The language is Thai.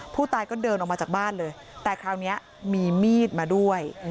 ผู้ตายก็เดินออกมาจากบ้านเลยแต่คราวนี้มีมีดมาด้วย